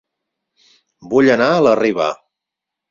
Vull anar a La Riba